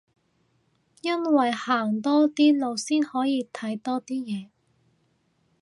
因為行多啲路先可以睇多啲嘢